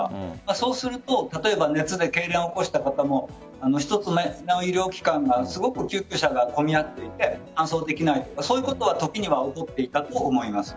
そうすると、例えば熱でけいれんを起こした方も別の医療機関が救急車が混み合っていて搬送できないとかいうことは起きていたと思います。